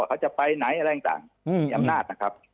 ว่าเขาจะไปไหนค่ะมีอำนาจนะครับ